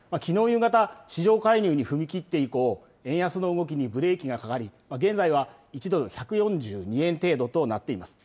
夕方、市場介入に踏み切って以降、円安の動きにブレーキがかかり、現在は１ドル１４２円程度となっています。